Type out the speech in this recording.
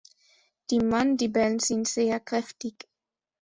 Die Mandibeln sind sehr kräftig.